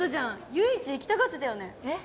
遊園地行きたがってたよねえっ？